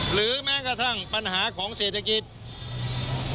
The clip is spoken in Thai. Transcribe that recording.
หรือแม้กระทั่งปัญหาของเศรษฐกิจ